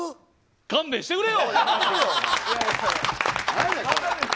勘弁してくれよ！